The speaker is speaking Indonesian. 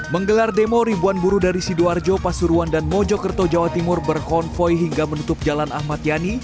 menggelar demo ribuan buruh dari sidoarjo pasuruan dan mojokerto jawa timur berkonvoy hingga menutup jalan ahmad yani